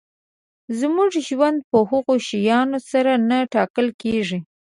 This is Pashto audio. زموږ ژوند په هغو شیانو سره نه ټاکل کېږي.